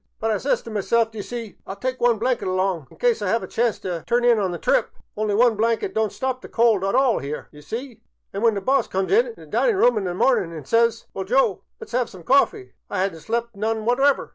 But I says t' myself, d 'ye see, I '11 tyke one blanket along in cyse I 'ave a chance t' turn in on the trip. Only one blanket don't stop the cold at all 'ere, d' ye see, an' when the boss comes int' the dinin' room this mornin' an' says, * Well, Joe, let 's 'ave some coffee,' I 'ad n't slept none whatever.